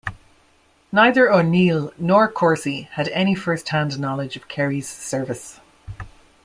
Neither O'Neill nor Corsi had any firsthand knowledge of Kerry's service.